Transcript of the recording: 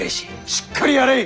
しっかりやれい！